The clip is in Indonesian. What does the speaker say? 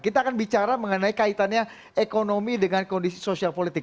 kita akan bicara mengenai kaitannya ekonomi dengan kondisi sosial politik